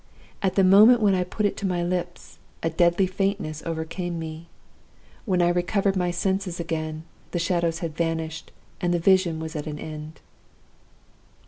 At the moment when I put it to my lips, a deadly faintness overcame me. When I recovered my senses again, the Shadows had vanished, and the Vision was at an end.